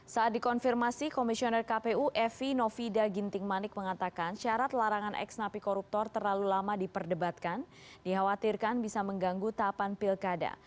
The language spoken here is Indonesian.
saat dikonfirmasi komisioner kpu evi novida ginting manik mengatakan syarat larangan ex napi koruptor terlalu lama diperdebatkan dikhawatirkan bisa mengganggu tahapan pilkada